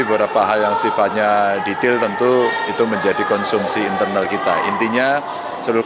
beberapa hal yang sifatnya detail tentu itu menjadi konsumsi internal kita intinya seluruh